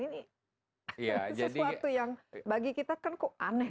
ini sesuatu yang bagi kita kan kok aneh